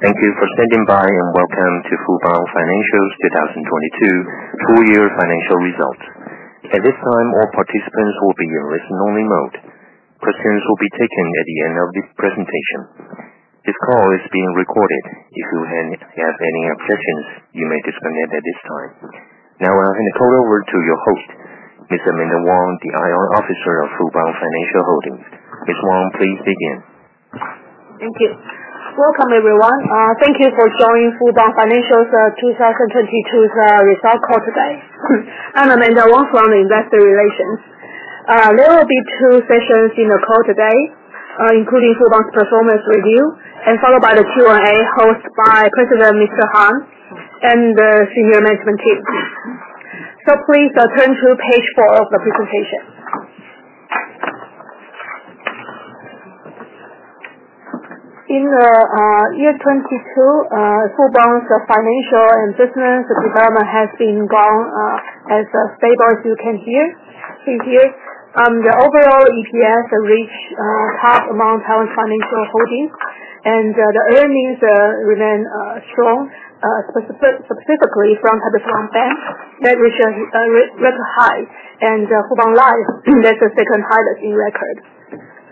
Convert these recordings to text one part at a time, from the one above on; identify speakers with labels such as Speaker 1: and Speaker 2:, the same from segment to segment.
Speaker 1: Thank you for standing by. Welcome to Fubon Financial's 2022 full year financial results. At this time, all participants will be in listen-only mode. Questions will be taken at the end of this presentation. This call is being recorded. If you have any objections, you may disconnect at this time. Now I'll hand the call over to your host, Ms. Amanda Wang, the IR Officer of Fubon Financial Holding. Ms. Wang, please begin.
Speaker 2: Thank you. Welcome, everyone. Thank you for joining Fubon Financial's 2022 results call today. I'm Amanda Wang from Investor Relations. There will be two sessions in the call today, including Fubon's performance review and followed by the Q&A, hosted by President Mr. Han and the senior management team. Please turn to page four of the presentation. In the year 2022, Fubon's financial and business development has been going as stable as you can see here. The overall EPS reached top among Taiwan Financial Holding. The earnings remain strong, specifically from Fubon Bank, that reached a record high, and Fubon Life, that's the second highest in record,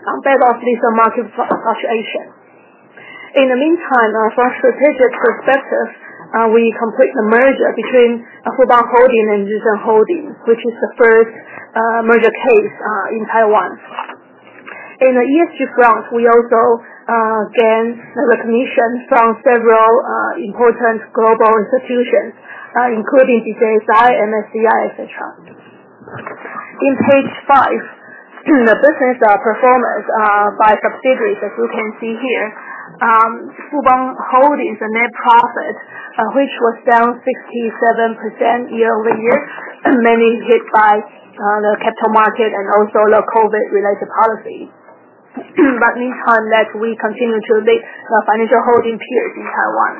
Speaker 2: on back of these market fluctuations. In the meantime, from a strategic perspective, we completed the merger between Fubon Holding and Jih Sun Financial Holding, which is the first merger case in Taiwan. In the ESG front, we also gained recognition from several important global institutions, including DJSI, MSCI, et cetera. In page five, the business performance by subsidiaries, as we can see here, Fubon Holding's net profit, which was down 67% year-over-year, mainly hit by the capital market and also the COVID-related policy. Meantime, we continue to lead the financial holding peers in Taiwan.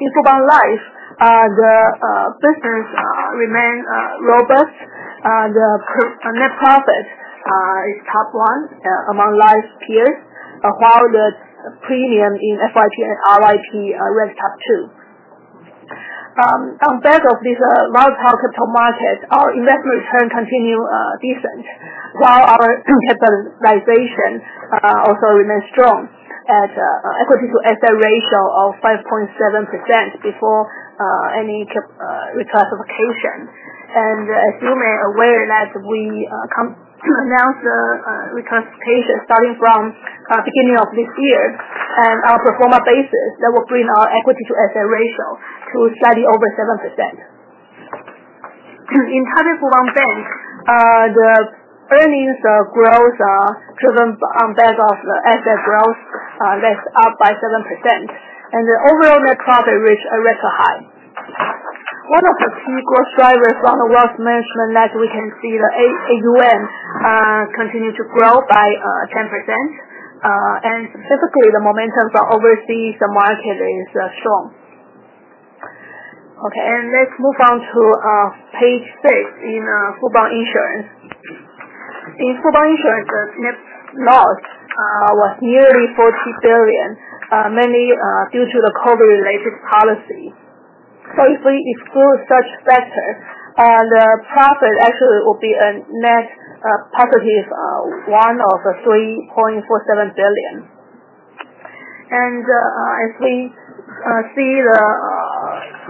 Speaker 2: In Fubon Life, the business remains robust. The net profit is top one among life's peers, while the premium in FYP and RIP ranked top two. On back of this volatile capital market, our investment return continue decent, while our capitalization also remains strong at equity to asset ratio of 5.7% before any reclassification. As you may aware, we announced the reclassification starting from beginning of this year and our pro forma basis, that will bring our equity to asset ratio to slightly over 7%. In Taipei Fubon Bank, the earnings growth driven on back of asset growth that's up by 7%. The overall net profit reached a record high. One of the key growth drivers from the wealth management that we can see, the AUM continue to grow by 10%. Specifically, the momentum for overseas market is strong. Okay, let's move on to page six in Fubon Insurance. In Fubon Insurance, the net loss was yearly 40 billion, mainly due to the COVID-related policy. If we exclude such factors, the profit actually will be a net positive one of 3.47 billion. As we see the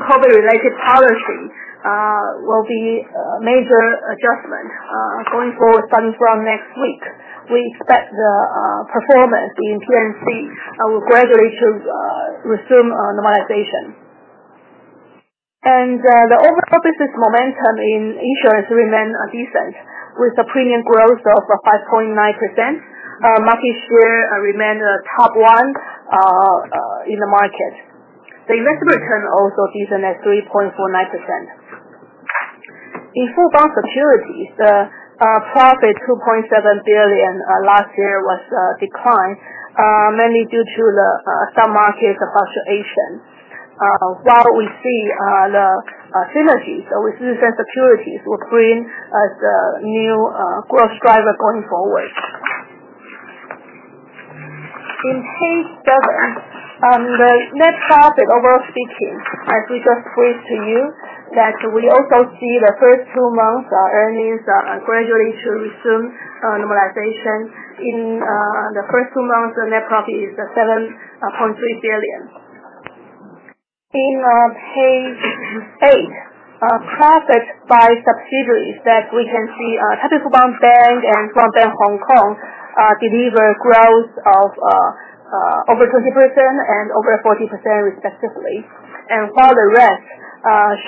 Speaker 2: COVID-related policy will be a major adjustment going forward starting from next week. We expect the performance in P&C will gradually to resume normalization. The overall business momentum in insurance remains decent, with a premium growth of 5.9%. Market share remain top one in the market. The investment return also decent at 3.49%. In Fubon Securities, the profit 2.7 billion last year was declined, mainly due to some market fluctuation. We see the synergies with Jih Sun Securities will bring as a new growth driver going forward. Page seven, the net profit overall speaking, as we just briefed to you, that we also see the first two months earnings gradually to resume normalization. In the first two months, the net profit is 7.3 billion. Page eight, profit by subsidiaries, that we can see Taipei Fubon Bank and Fubon Bank (Hong Kong) deliver growth of over 20% and over 40% respectively. While the rest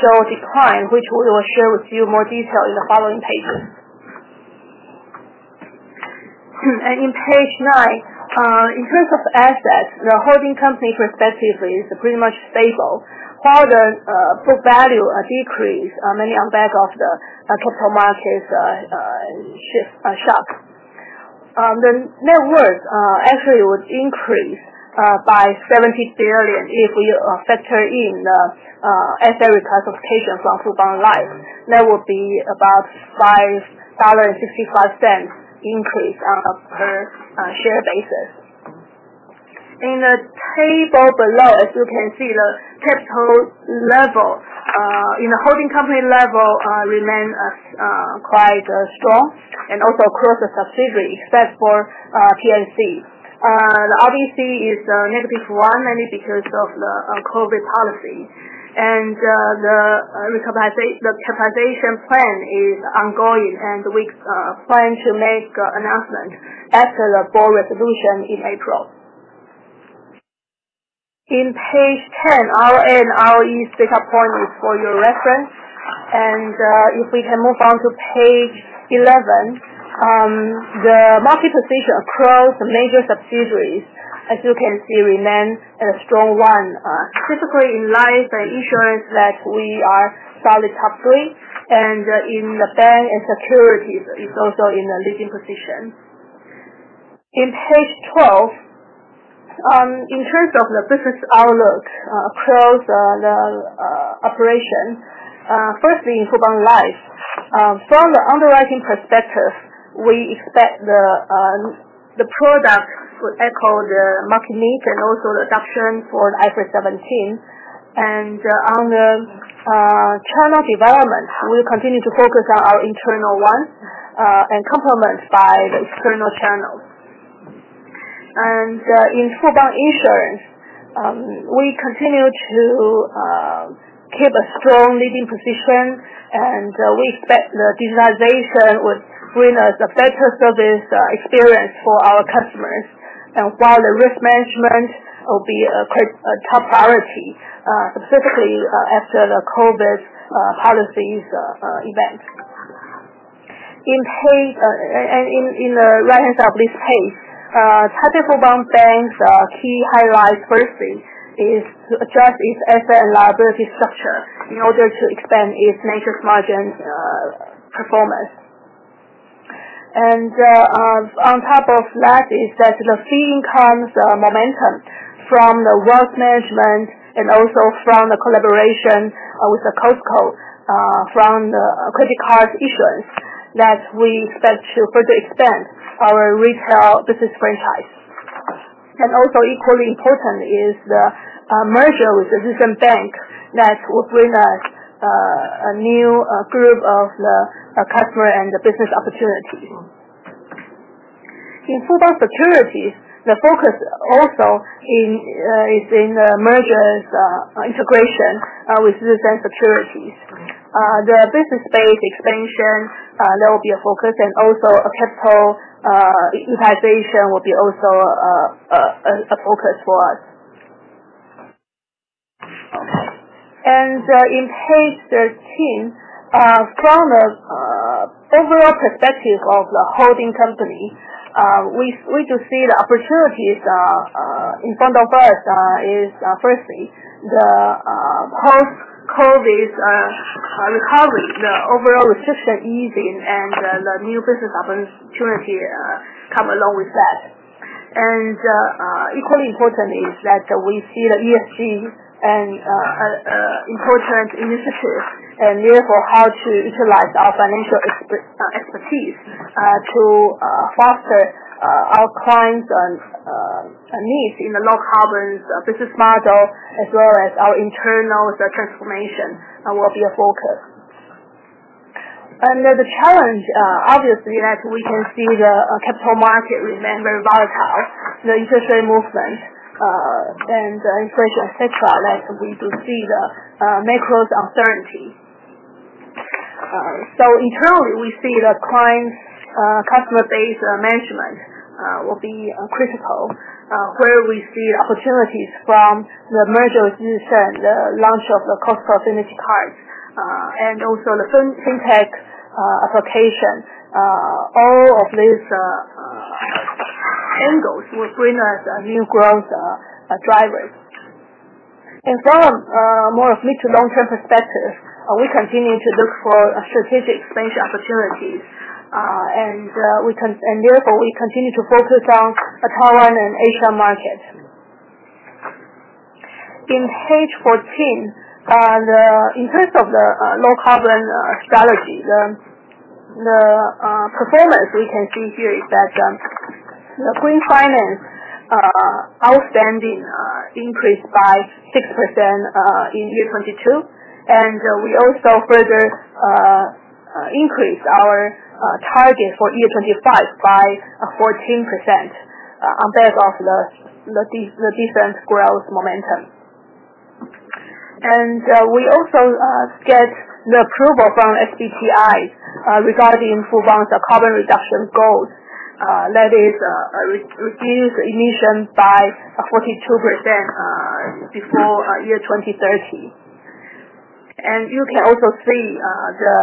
Speaker 2: show decline, which we will show you more detail in the following pages. Page nine, in terms of assets, the holding company respectively is pretty much stable, while the book value decrease mainly on back of the capital markets shock. The net worth actually would increase by 70 billion if we factor in the asset reclassification from Fubon Life. That would be about 5.65 dollars increase on a per share basis. In the table below, as you can see, the capital level in the holding company remains quite strong and also across the subsidiaries, except for P&C. The RBC is negative one mainly because of the COVID policy. The capitalization plan is ongoing. We plan to make an announcement after the board resolution in April. Page 10, our ROE data point is for your reference. If we can move on to page 11, the market position across major subsidiaries, as you can see, remains a strong one. Specifically in life insurance that we are probably top three, and in the bank and securities is also in the leading position. Page 12, in terms of the business outlook across the operation. Firstly, in Fubon Life. From the underwriting perspective, we expect the product to echo the market need and also the adoption for IFRS 17. On the channel development, we'll continue to focus on our internal ones and complement by the external channels. In Fubon Insurance, we continue to keep a strong leading position. We expect the digitalization will bring us a better service experience for our customers. While the risk management will be a top priority, specifically after the COVID policies event. In the right-hand side of this page, Taipei Fubon Bank's key highlights firstly is to adjust its asset and liability structure in order to expand its net interest margin performance. On top of that is that the fee income's momentum from the wealth management and also from the collaboration with Costco from the credit card issuance, that we expect to further expand our retail business franchise. Also equally important is the merger with the Jih Sun Bank that will bring us a new group of customer and the business opportunity. In Fubon Securities, the focus also is in the mergers integration with Jih Sun Securities. The business space expansion, that will be a focus and also capital utilization will be also a focus for us. In page 13, from the overall perspective of the holding company, we do see the opportunities in front of us is firstly, the post-COVID recovery, the overall system easing and the new business opportunity come along with that. Equally important is that we see the ESG an important initiative, and therefore how to utilize our financial expertise to foster our clients' needs in the low carbon business model as well as our internal transformation will be a focus. The challenge, obviously, as we can see the capital market remain very volatile, the interest rate movement, and inflation, et cetera, that we do see the macro's uncertainty. Internally, we see the customer base management will be critical, where we see the opportunities from the merger with Jih Sun, the launch of the Fubon Costco Co-branded Card, and also the Fintech application. All of these angles will bring us new growth drivers. In terms of more of mid to long-term perspective, we continue to look for strategic expansion opportunities. Therefore, we continue to focus on the Taiwan and Asia market. In page 14, in terms of the low carbon strategy, the performance we can see here is that the green finance outstanding increased by 6% in year 2022, and we also further increased our target for year 2025 by 14%, on the back of the different growth momentum. We also get the approval from SBTi regarding Fubon's carbon reduction goals. That is, reduce emission by 42% before year 2030. You can also see the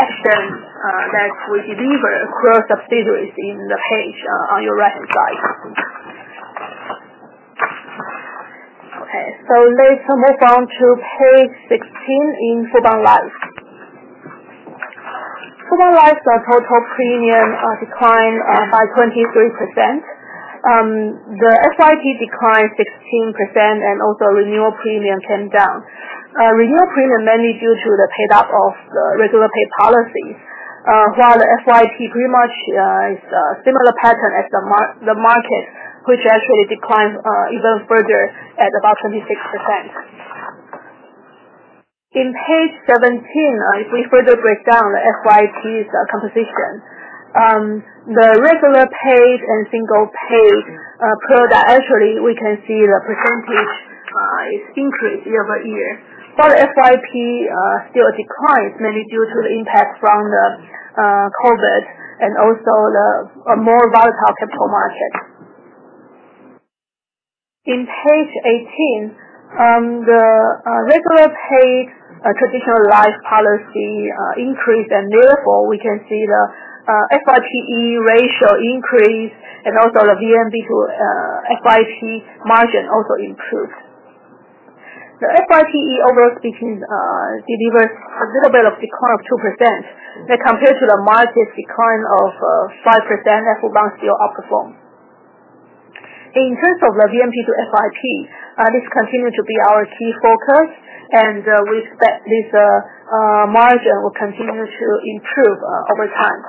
Speaker 2: action that we deliver across subsidiaries in the page on your right-hand side. Let's move on to page 16 in Fubon Life. Fubon Life's total premium declined by 23%. The SIP declined 16% and also renewal premium came down. Renewal premium mainly due to the paid up of the regular pay policy. While the FYP pretty much is a similar pattern as the market, which actually declined even further at about 26%. In page 17, if we further break down the FYP's composition. The regular paid and single paid product, actually, we can see the percentage increased year-over-year. While FYP still declines, mainly due to the impact from the COVID and also the more volatile capital market. In page 18, the regular paid traditional life policy increased, and therefore, we can see the FYPE ratio increase and also the VNB to FYP margin also improved. The FYPE overall speaking, delivers a little bit of decline of 2%, but compared to the market decline of 5%, Fubon still outperforms. In terms of the VNB to FYP, this continued to be our key focus, and we expect this margin will continue to improve over time.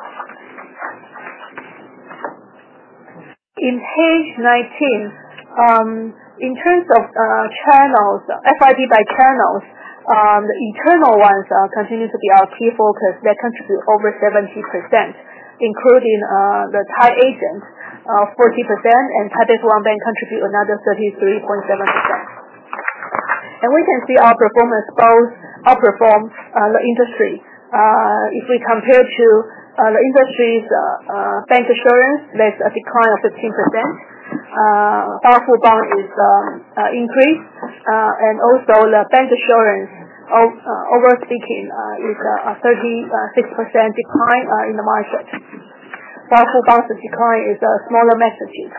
Speaker 2: In page 19, in terms of FYP by channels, the internal ones continue to be our key focus. They contribute over 70%, including the tied agents, 40%, and Taipeng Longbang contribute another 33.7%. We can see our performance both outperform the industry. If we compare to the industry's bank assurance, there's a decline of 15%. Fubon is increased. Also, the bank assurance, overall speaking, is a 36% decline in the market. Fubon decline is smaller magnitude.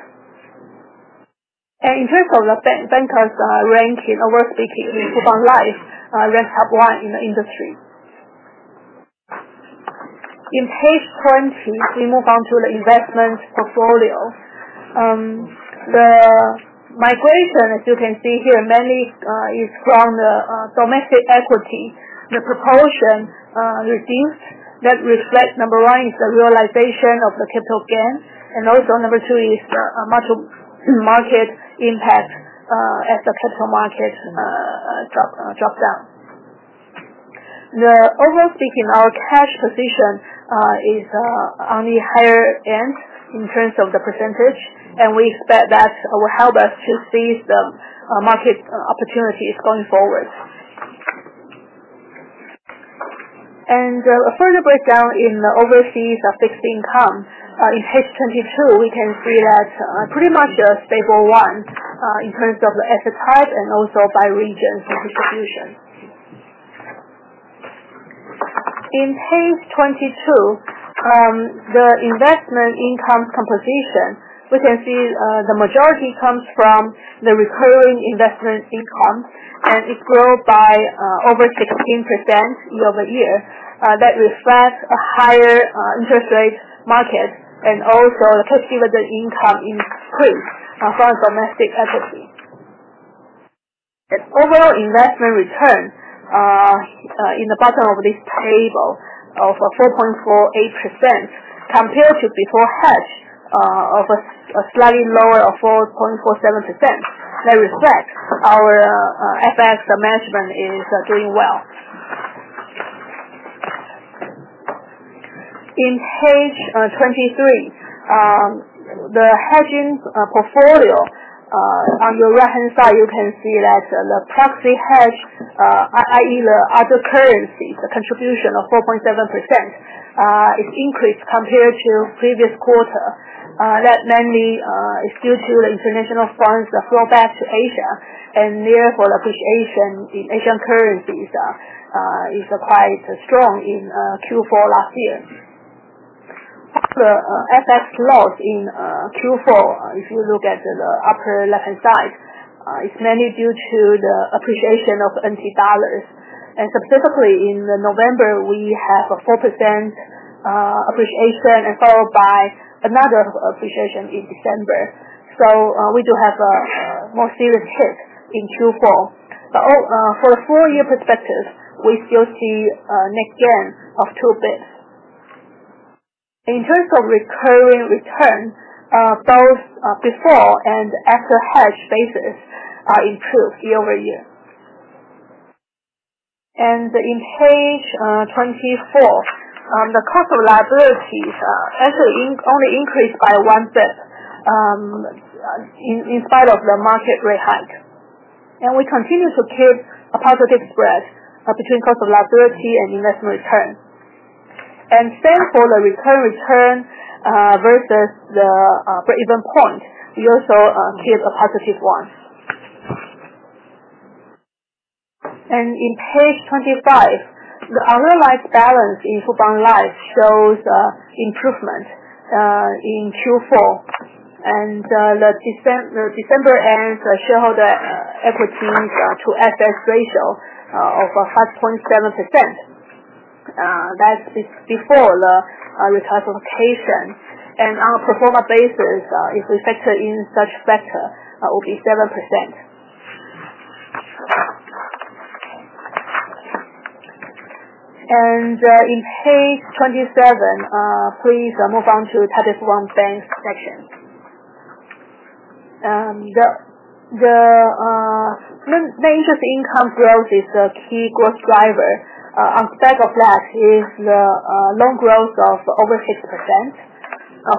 Speaker 2: In terms of the bankers ranking, Fubon Life ranks top one in the industry. On page 20, we move on to the investment portfolio. The migration, as you can see here, mainly is from the domestic equity. The proportion reduced. That reflects number 1 is the realization of the capital gain, and also number 2 is the market impact as the capital market dropped down. Overall speaking, our cash position is on the higher end in terms of the percentage, and we expect that will help us to seize the market opportunities going forward. A further breakdown in the overseas fixed income. On page 22, we can see that pretty much a stable one in terms of the asset type and also by region and distribution. On page 22, the investment income composition, we can see the majority comes from the recurring investment income, and it grows by over 16% year-over-year. That reflects a higher interest rate market and also the dividend income increase from domestic equity. Overall investment return, in the bottom of this table of 4.48%, compared to before hedge of a slightly lower of 4.47%. That reflects our FX management is doing well. On page 23, the hedging portfolio. On the right-hand side, you can see that the proxy hedge, i.e. the other currencies, the contribution of 4.7%, is increased compared to previous quarter. Therefore, the appreciation in Asian currencies is quite strong in Q4 last year. The FX loss in Q4, if you look at the upper left-hand side, is mainly due to the appreciation of NT dollar. Specifically, in November, we have a 4% appreciation followed by another appreciation in December. We do have a more serious hit in Q4. For a full-year perspective, we still see a net gain of two bits. In terms of recurring return, both before and after hedge basis improved year-over-year. On page 24, the cost of liabilities actually only increased by one bit in spite of the market rate hike. We continue to keep a positive spread between cost of liability and investment return. Same for the recurring return versus the break-even point. We also keep a positive one. On page 25, the unrealized balance in Fubon Life shows improvement in Q4. The December end shareholder equity to asset ratio of 5.7%. That is before the reclassification. On a pro forma basis, if we factor in such factor, will be 7%. On page 27, please move on to Taishin Bank section. The net interest income growth is a key growth driver. On top of that is the loan growth of over 6%.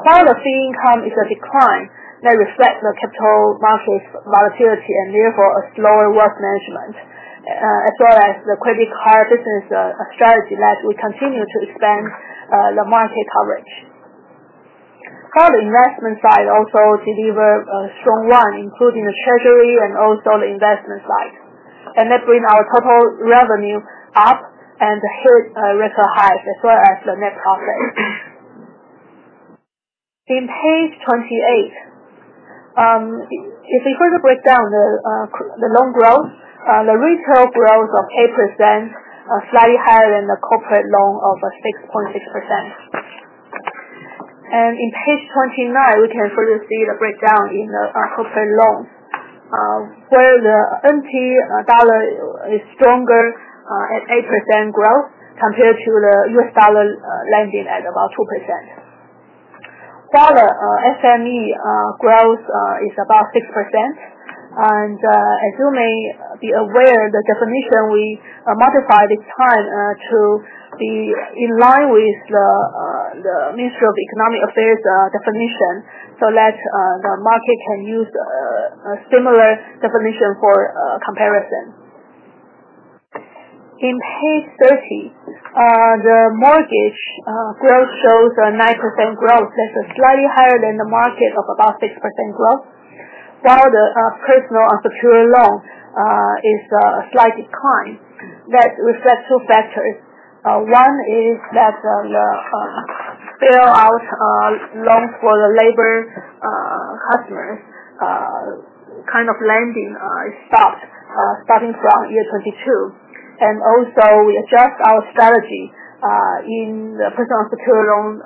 Speaker 2: While the fee income is a decline, that reflects the capital markets volatility and therefore a slower work management, as well as the credit card business strategy that we continue to expand the market coverage. For the investment side, also deliver a strong one, including the treasury and also the investment side. That bring our total revenue up and hit a record high as well as the net profit. On page 28, if you further break down the loan growth, the retail growth of 8% is slightly higher than the corporate loan of 6.6%. On page 29, we can further see the breakdown in the corporate loans, where the NT dollar is stronger at 8% growth compared to the US dollar lending at about 2%. Dollar SME growth is about 6%, and as you may be aware, the definition we modified this time to be in line with the Ministry of Economic Affairs' definition, so that the market can use a similar definition for comparison. On page 30, the mortgage growth shows a 9% growth. That's slightly higher than the market of about 6% growth, while the personal unsecured loan is a slight decline. That reflects two factors. One is that the bail-out loan for the labor customers, that kind of lending stopped starting from year 2022. Also, we adjust our strategy in the personal secured loan,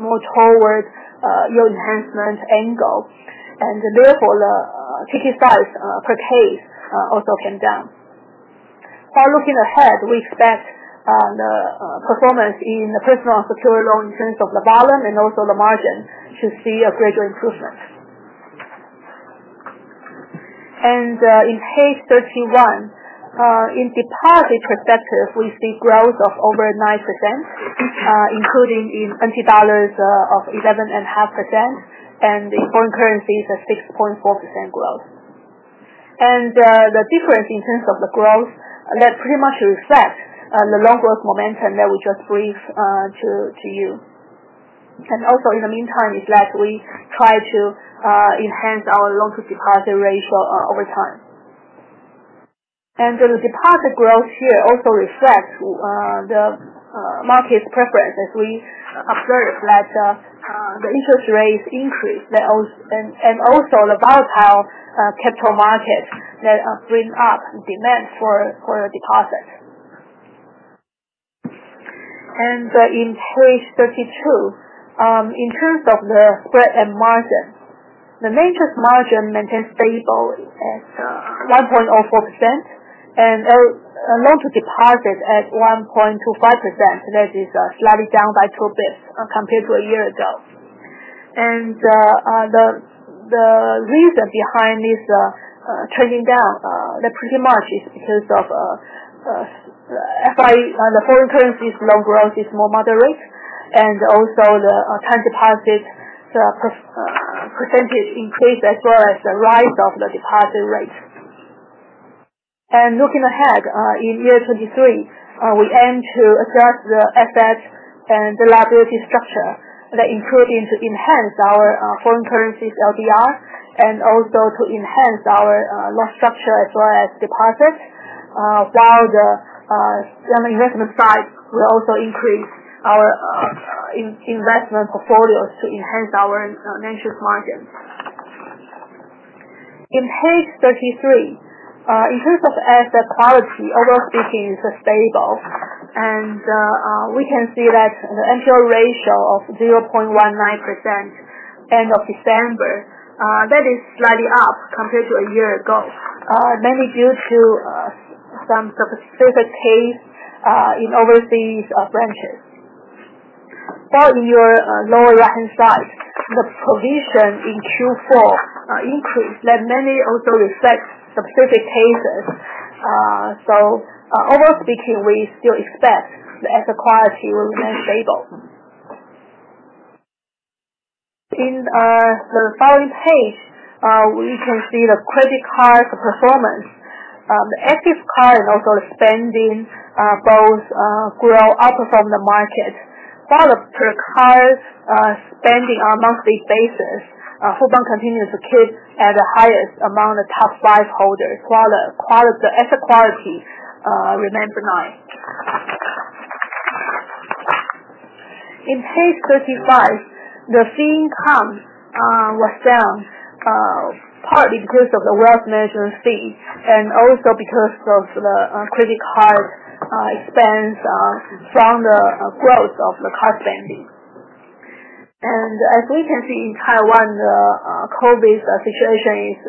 Speaker 2: more towards yield enhancement angle. Therefore, the TT size per case also came down. By looking ahead, we expect the performance in the personal secured loan in terms of the balance and also the margin to see a greater improvement. On page 31, in the deposit perspective, we see growth of over 9%, including in NT dollars of 11.5%, and in foreign currencies, a 6.4% growth. The difference in terms of the growth, that pretty much reflects the loan growth momentum that we just briefed to you. Also, in the meantime, is that we try to enhance our loan to deposit ratio over time. The deposit growth here also reflects the market preference as we observe that the interest rates increase and also the volatile capital markets that bring up demand for deposits. On page 32, in terms of the spread and margin, the net interest margin maintains stable at 1.04%, and loan to deposit at 1.25%, that is slightly down by 2 basis points compared to a year ago. The reason behind this trending down, that pretty much is because of the foreign currency loan growth is more moderate, also the time deposit percentage increase as well as the rise of the deposit rate. Looking ahead, in year 2023, we aim to address the asset and liability structure that including to enhance our foreign currency's LDR and also to enhance our loan structure as well as deposits, while the investment side will also increase our investment portfolios to enhance our interest margin. On page 33, in terms of asset quality, overall speaking, it's stable. We can see that the NPL ratio of 0.19% end of December, that is slightly up compared to a year ago, mainly due to some specific case in overseas branches. In your lower right-hand side, the provision in Q4 increased. That mainly also reflects specific cases. Overall speaking, we still expect the asset quality will remain stable. In the following page, we can see the credit card performance. The active card and also the spending both grew up from the market, while the per card spending on monthly basis, Fubon continues to keep at the highest among the top five holders, while the asset quality remains benign. On page 35, the fee income was down, partly because of the wealth management fee and also because of the credit card expense from the growth of the card spending. As we can see in Taiwan, the COVID situation is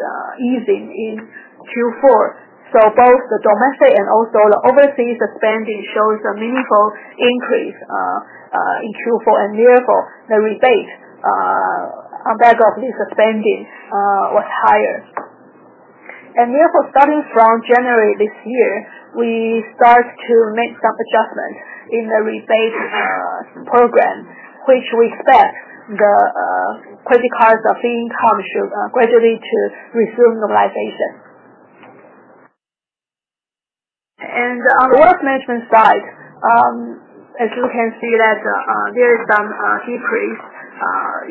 Speaker 2: easing in Q4. Both the domestic and overseas spending shows a meaningful increase in Q4. Therefore, the rebate on back of this spending was higher. Therefore, starting from January this year, we start to make some adjustments in the rebate program, which we expect the credit cards of fee income should gradually to resume normalization. On the wealth management side, as you can see that there is some decrease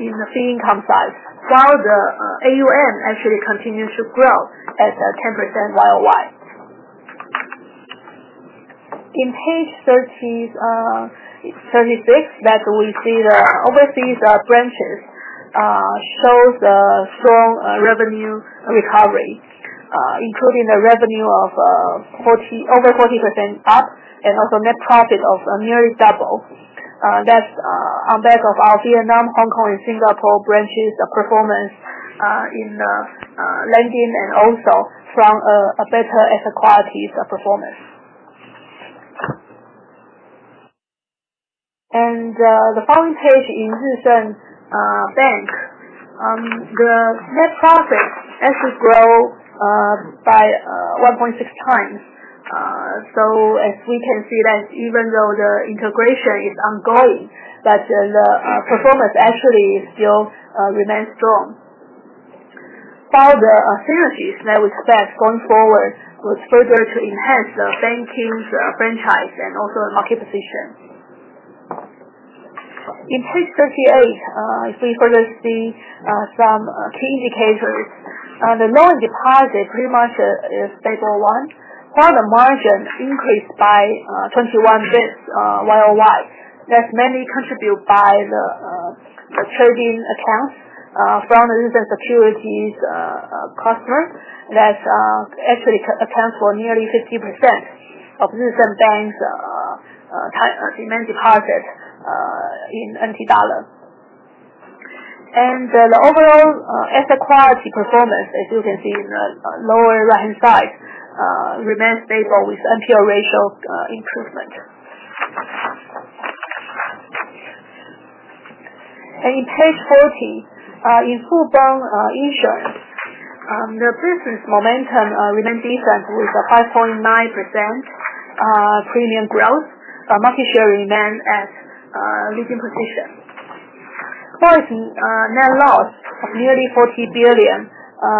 Speaker 2: in the fee income side, while the AUM actually continues to grow at 10% YOY. In page 36, that we see the overseas branches shows a strong revenue recovery, including the revenue of over 40% up and also net profit of nearly double. That's on back of our Vietnam, Hong Kong, and Singapore branches performance in lending and also from a better asset qualities of performance. The following page in Jih Sun Bank. The net profit actually grow by 1.6 times. As we can see that even though the integration is ongoing, that the performance actually still remains strong. The synergies that we expect going forward was further to enhance the banking's franchise and also market position. In page 38, if we further see some key indicators, the loan deposit pretty much is stable one, while the margin increased by 21 basis YOY. That's mainly contributed by the trading accounts from the recent securities customer that actually accounts for nearly 50% of Jih Sun Bank's demand deposit in NT dollar. The overall asset quality performance, as you can see in the lower right-hand side, remains stable with NPL ratio improvement. In page 40, in Fubon Insurance, their business momentum remains decent with a 5.9% premium growth. Market share remains at leading position. Net loss of nearly 40 billion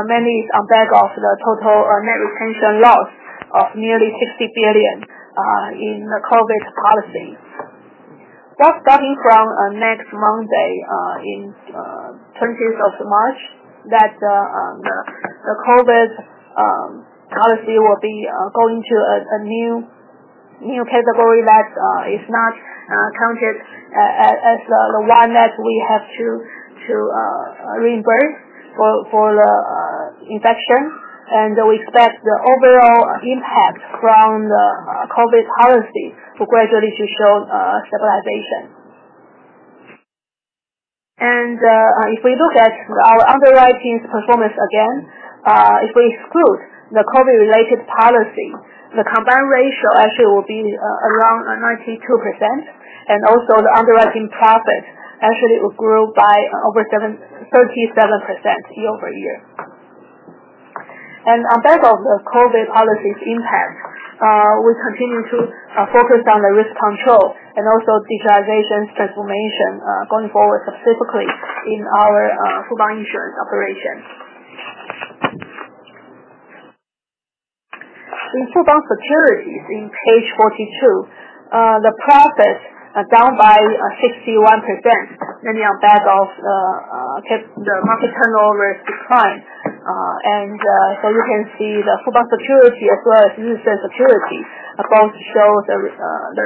Speaker 2: mainly is on back of the total net retention loss of nearly 60 billion in the COVID policy. Starting from next Monday in 20th of March that the COVID policy will be going to a new category that is not counted as the one that we have to reimburse for the infection. We expect the overall impact from the COVID policy to gradually to show stabilization. If we look at our underwriting performance again, if we exclude the COVID-related policy, the combined ratio actually will be around 92%. The underwriting profit actually will grow by over 37% year-over-year. On back of the COVID policy impact, we continue to focus on the risk control and also digitalization transformation going forward, specifically in our Fubon Insurance operation. In Fubon Securities in page 42, the profit is down by 61%, mainly on back of the market turnover decline. You can see the Fubon Securities as well as Jih Sun Securities, both show their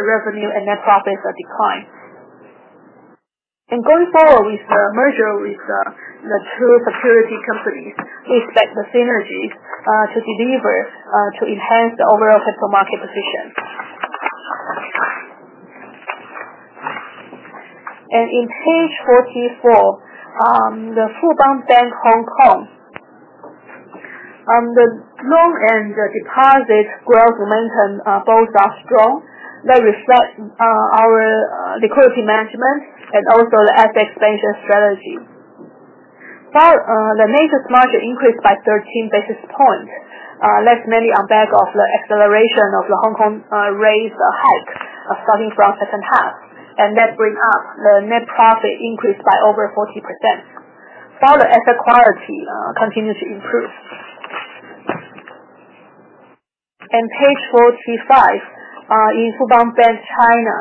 Speaker 2: revenue and net profits decline. Going forward with the merger with the two security companies, we expect the synergies to deliver to enhance the overall capital market position. In page 44, the Fubon Bank Hong Kong. The loan and the deposit growth momentum both are strong. They reflect our liquidity management and also the asset expansion strategy. The net interest margin increased by 13 basis points. That's mainly on back of the acceleration of the Hong Kong rates hike starting from second half, and that bring up the net profit increase by over 40%, while the asset quality continues to improve. On page 45, in Fubon Bank (China),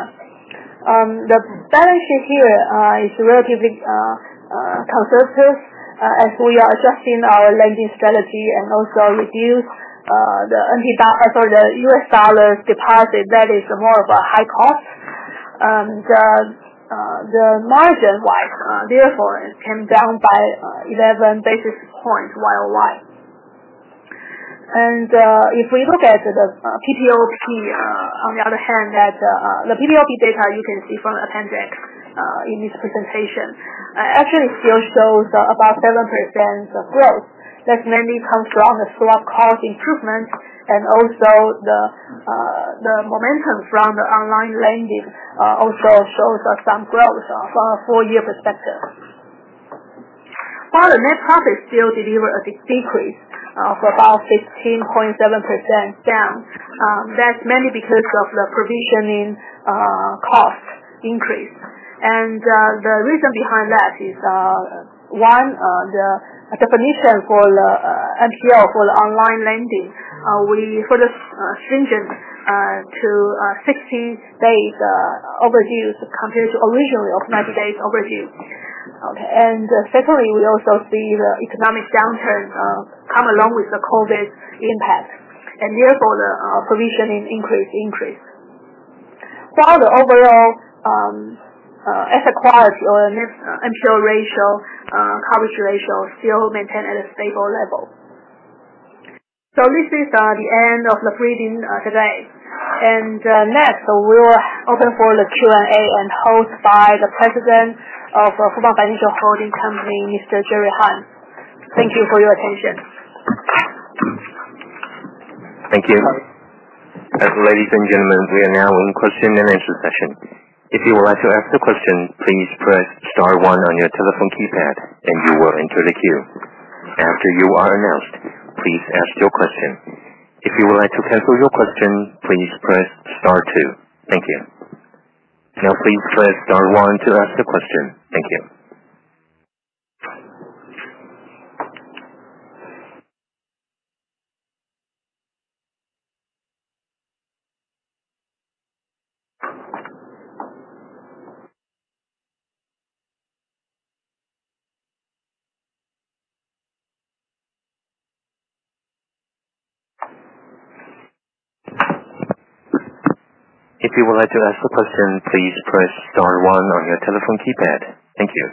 Speaker 2: the balance sheet here is relatively conservative as we are adjusting our lending strategy and also reduce the US dollars deposit that is more of a high cost. The margin wide, therefore, came down by 11 basis points YOY. If we look at the PPOP on the other hand, the PPOP data you can see from appendix in this presentation. Actually, it still shows about 7% growth. That mainly comes from the swap cost improvement and also the momentum from the online lending also shows us some growth from a four-year perspective. While the net profit still deliver a big decrease of about 15.7% down, that's mainly because of the provisioning cost increase. The reason behind that is, one, the definition for NPL for the online lending, we further stringent to 60 days overdue compared to originally of 90 days overdue. Okay. Secondly, we also see the economic downturn come along with the COVID impact, and therefore the provisioning increase. While the overall asset quality or NPL ratio, coverage ratio still maintain at a stable level. So this is the end of the briefing today. Next, we will open for the Q&A and host by the President of Fubon Financial Holding Company, Mr. Jerry Han. Thank you for your attention.
Speaker 1: Thank you. Ladies and gentlemen, we are now in question and answer session. If you would like to ask the question, please press star one on your telephone keypad, and you will enter the queue. After you are announced, please ask your question. If you would like to cancel your question, please press star two. Thank you. Now please press star one to ask the question. Thank you. If you would like to ask the question, please press star one on your telephone keypad. Thank you.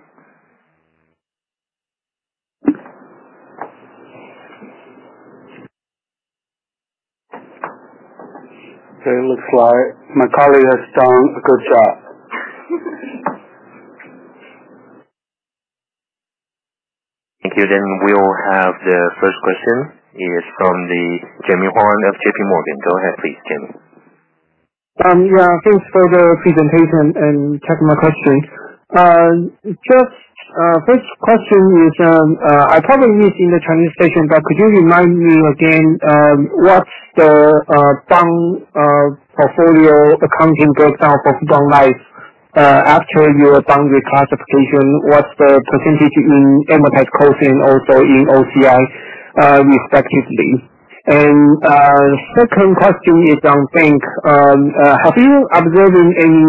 Speaker 3: It looks like my colleague has done a good job.
Speaker 1: Thank you. We'll have the first question is from the Jimmy Huang of JP Morgan. Go ahead please, Jimmy.
Speaker 4: Thanks for the presentation and taking my question. Just first question is, I probably missed in the Chinese session, but could you remind me again, what's the bond portfolio accounting breakdown of Fubon Life, after your bond reclassification, what's the percentage in amortized cost and also in OCI, respectively? Second question is on bank, have you observed any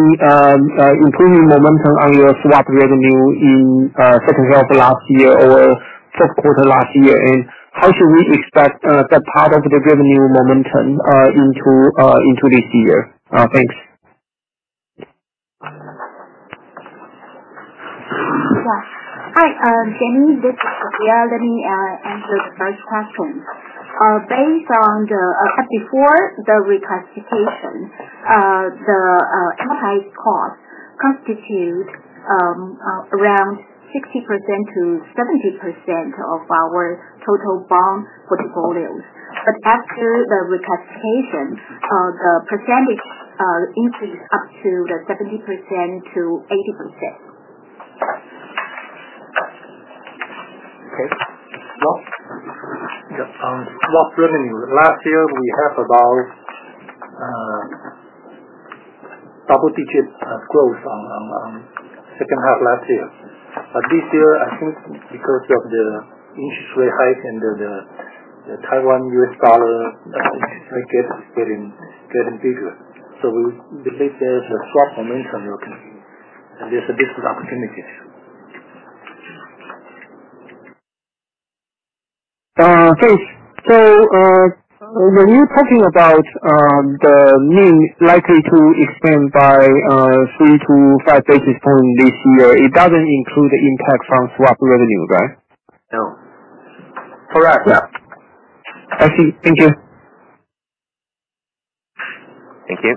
Speaker 4: improving momentum on your swap revenue in second half of last year or first quarter last year? How should we expect that part of the revenue momentum into this year? Thanks.
Speaker 5: Hi, Jimmy. This is Sophia. Let me answer the first question. Before the reclassification, the amortized cost constitute around 60% to 70% of our total bond portfolios. After the reclassification, the percentage increased up to the 70% to 80%.
Speaker 3: Swap revenue, last year we have about double-digit growth on second half last year. This year, I think because of the interest rate hike and the Taiwan/US dollar getting bigger. We believe there is a swap momentum, okay, and there's a business opportunity.
Speaker 4: Okay. When you're talking about the NIM likely to expand by 3-5 basis point this year, it doesn't include the impact from swap revenue, right?
Speaker 3: No.
Speaker 2: Correct.
Speaker 4: I see. Thank you.
Speaker 1: Thank you.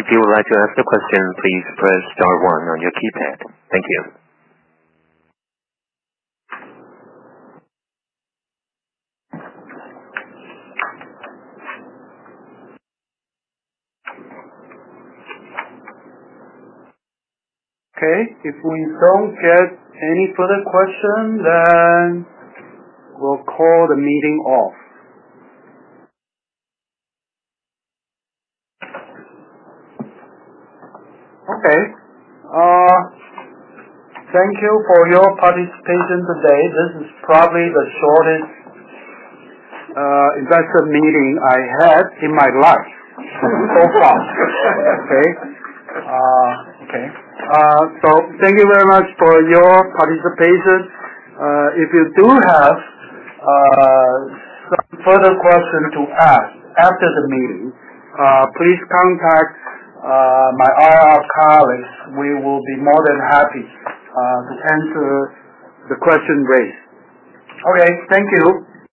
Speaker 1: If you would like to ask the question, please press star one on your keypad. Thank you.
Speaker 3: Okay, if we don't get any further question, then we'll call the meeting off. Okay. Thank you for your participation today. This is probably the shortest investor meeting I had in my life so far. Okay. Thank you very much for your participation. If you do have some further questions to ask after the meeting, please contact my IR colleagues. We will be more than happy to answer the question raised. Okay, thank you.